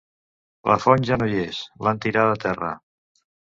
La font ja no hi és: l'han tirada a terra.